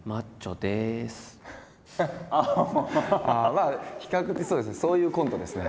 まあ比較的そうですねそういうコントですね。